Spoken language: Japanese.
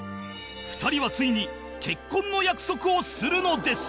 ２人はついに結婚の約束をするのです